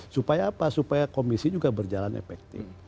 supaya apa supaya komisi juga berjalan efektif